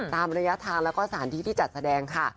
ตามระยะทางแล้วก็สถานที่ที่จัดแสดงค่ะ